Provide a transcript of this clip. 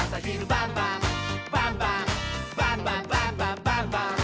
「バンバンバンバンバンバン！」